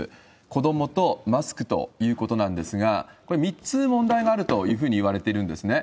子どもとマスクということなんですが、これ、３つ問題があるというふうにいわれているんですね。